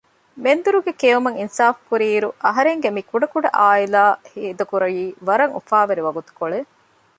މެންދުރުގެ ކެއުމަށް އިންސާފުކުރިއިރު އަހަރެންގެ މި ކުޑަކުޑަ އާއިލާ ހޭދަކުރީ ވަރަށް އުފާވެރި ވަގުތުކޮޅެއް